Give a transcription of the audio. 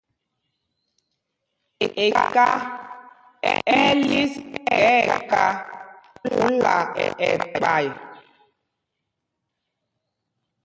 Eka ɛ́ ɛ́ lis ká nɛ ká phúla ɛkpay.